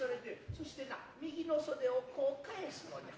そしてな右の袖をこう返すのじゃ。